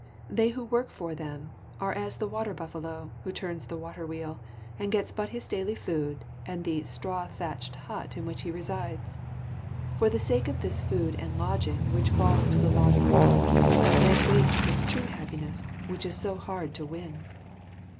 They who work for them are as the water buffalo who turns the water wheel and gets but his daily food and the straw thatched hut in which he rests. For the sake of this food and lodging which falls to the lot of all, man wastes his true happiness which is so hard to win.